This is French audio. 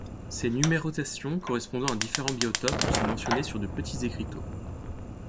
Ces numérotations correspondant à différents biotopes sont mentionnées sur de petits écriteaux.